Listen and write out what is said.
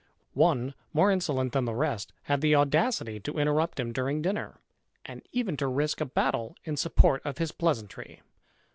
One, more insolent than the rest, had the audacity to interrupt him during dinner, and even to risk a battle in support of his pleasantry.